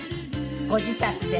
ご自宅です。